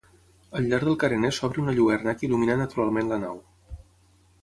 Al llarg del carener s'obri una lluerna que il·lumina naturalment la nau.